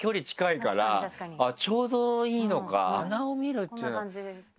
ちょうどいいのか鼻を見るっていうのは。